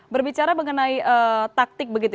berbicara mengenai taktik